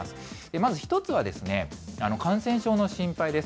まず１つは、感染症の心配です。